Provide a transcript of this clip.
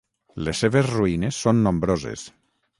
Les seves ruïnes són nombroses.